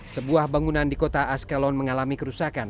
sebuah bangunan di kota askelon mengalami kerusakan